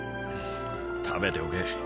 食べておけ。